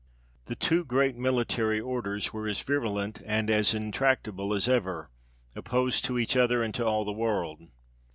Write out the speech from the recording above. The two great military orders were as virulent and as intractable as ever; opposed to each other, and to all the world.